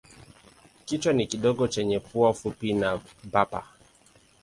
Kichwa ni kidogo chenye pua fupi na bapa.